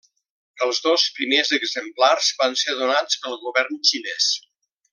Els dos primers exemplars van ser donats pel govern xinès.